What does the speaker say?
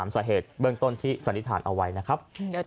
สวัสดีครับ